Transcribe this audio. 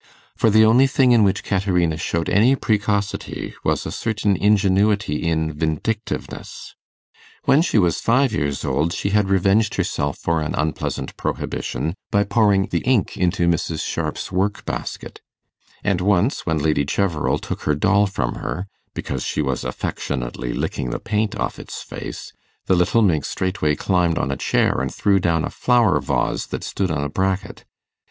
For the only thing in which Caterina showed any precocity was a certain ingenuity in vindictiveness. When she was five years old she had revenged herself for an unpleasant prohibition by pouring the ink into Mrs. Sharp's work basket; and once, when Lady Cheverel took her doll from her, because she was affectionately licking the paint off its face, the little minx straightway climbed on a chair and threw down a flower vase that stood on a bracket.